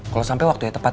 kalo sampe waktu yang tepat